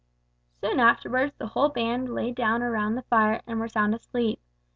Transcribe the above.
Soon afterwards the whole band lay down round the fire and were sound asleep.